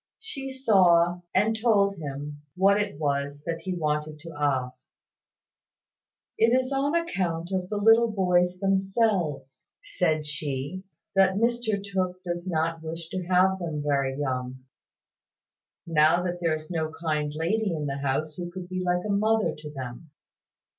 She saw, and told him, what it was that he wanted to ask. "It is on account of the little boys themselves," said she, "that Mr Tooke does not wish to have them very young, now that there is no kind lady in the house who could be like a mother to them."